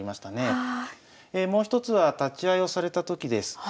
もう一つは立会をされた時です。